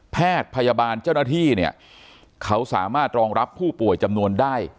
แพทย์พยาบาลเจ้าหน้าที่เนี่ยเขาสามารถรองรับผู้ป่วยจำนวนได้